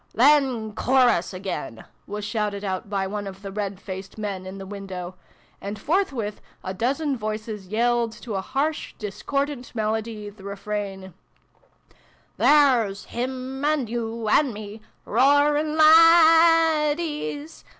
" Then chorus agin !" was shouted out by one of the red faced men in the window : and forthwith a dozen voices yelled, to a harsh discordant melody, the refrain :" There's him, an' yo, an me, Roariii laddies